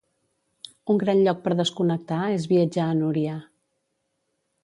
Un gran lloc per desconnectar és viatjar a Núria.